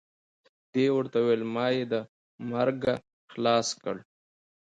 دې ورته وویل ما یې د مرګه خلاص کړ.